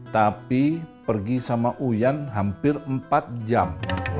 tapi pergi sama uyan hampir empat jam